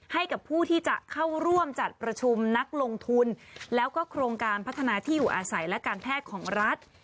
ให้กับผู้ที่จะเข้าร่วมจัดประชุมนักลงทุนแล้วก็โครงการพัฒนาที่อยู่อาศัยและการแพทย์ของรัฐ